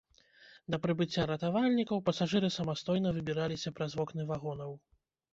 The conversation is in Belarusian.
Да прыбыцця ратавальнікаў, пасажыры самастойна выбіраліся праз вокны вагонаў.